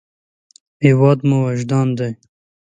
هېواد مو وجدان دی